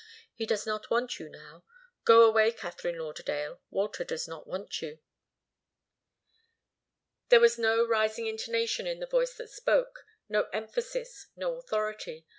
He does not want you now. Go away, Katharine Lauderdale. Walter does not want you." There was no rising intonation in the voice that spoke, no emphasis, no authority.